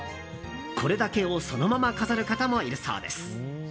これだけをそのまま飾る方もいるそうです。